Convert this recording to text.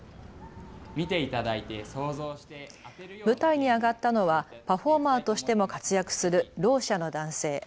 舞台に上がったのはパフォーマーとしても活躍する、ろう者の男性。